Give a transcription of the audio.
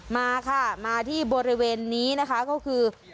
มาค่ะมาที่บริเวณนี้นะคะก็คือ